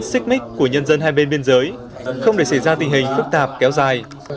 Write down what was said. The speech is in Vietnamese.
xích mích của nhân dân hai bên biên giới không để xảy ra tình hình phức tạp kéo dài